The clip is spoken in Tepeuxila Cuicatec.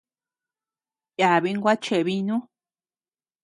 Yabin gua cheʼebinu.